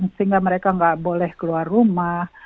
sehingga mereka nggak boleh keluar rumah